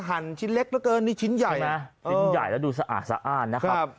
หั่นชิ้นเล็กเหลือเกินนี่ชิ้นใหญ่นะชิ้นใหญ่แล้วดูสะอาดสะอ้านนะครับ